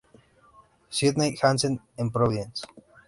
Sydney Hansen en Providence.